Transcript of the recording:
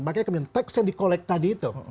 makanya kemudian tax yang dikolek tadi itu